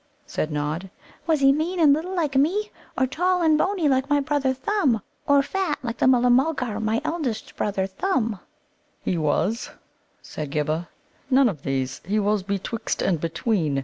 said Nod. "Was he mean and little, like me, or tall and bony, like my brother Thimble, or fat, like the Mulla mulgar, my eldest brother, Thumb?" "He was," said Ghibba, "none of these. He was betwixt and between.